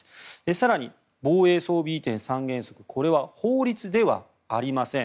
更に、防衛装備移転三原則これは法律ではありません。